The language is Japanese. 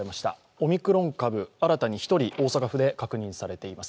オミクロン株、新たに１人、大阪府で確認されています。